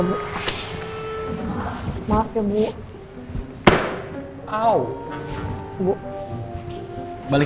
tukibik mu sadis improve semua lab